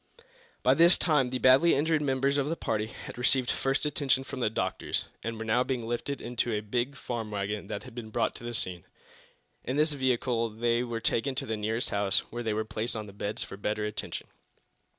By this time the badly injured members of the party had received first attention from the doctors, and were now being lifted into a big farm wagon that had been brought to the scene. In this vehicle they were taken to the nearest house, where they were placed on beds for better attention.